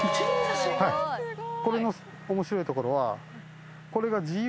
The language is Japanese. これの面白いところは。